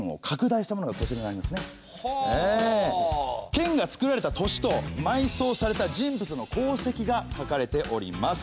剣が作られた年とまいそうされた人物の功績が書かれております。